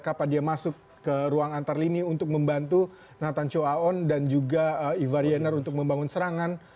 kapan dia masuk ke ruang antarlini untuk membantu nathan chow aon dan juga ivar yener untuk membangun serangan